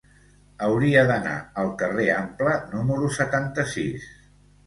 Hauria d'anar al carrer Ample número setanta-sis.